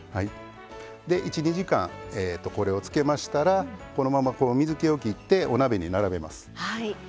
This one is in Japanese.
１２時間これをつけましたらこのまま水けをきってお鍋に並べます。